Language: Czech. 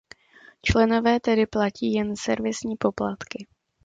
Členové tedy platí jen servisní poplatky.